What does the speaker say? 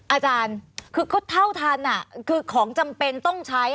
อาจารย์คือก็เท่าทันคือของจำเป็นต้องใช้